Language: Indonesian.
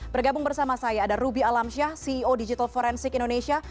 bergabung bersama saya ada ruby alamsyah ceo digital forensik indonesia